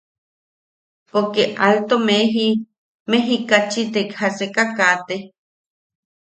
Poke alto meji mejicachi te jaseka kate.